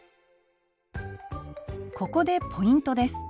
ここでポイントです。